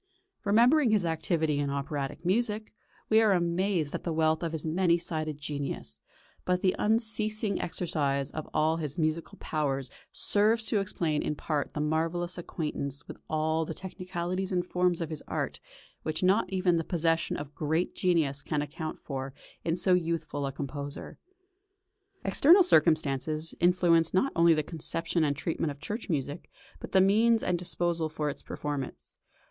Remembering his activity in operatic music, we are amazed at the wealth of his many sided genius; but the unceasing exercise of all his musical powers serves to explain in part that marvellous acquaintance with all the technicalities and forms of his art which not even the possession of great genius can account for in so youthful a composer. External circumstances influenced not only the conception and treatment of church music, but the means at disposal for its performance.